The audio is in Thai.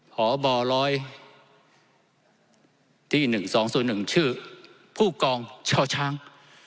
ผอบ่อร้อยที่๑๒๐๑ชื่อผู้กองเชาะช้าง